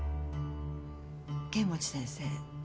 剣持先生